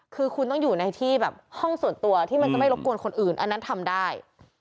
คือคุณต้องอยู่ในที่แบบห้องส่วนตัวที่มันจะไม่รบกวนคนอื่นอันนั้นทำได้